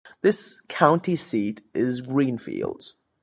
The county seat is Greenfield.